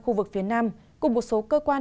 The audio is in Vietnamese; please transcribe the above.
khu vực phía nam cùng một số cơ quan